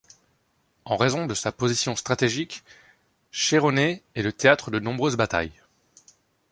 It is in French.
En raison de sa position stratégique, Chéronée est le théâtre de nombreuses batailles.